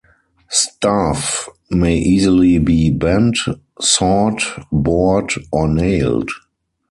Staff may easily be bent, sawed, bored, or nailed.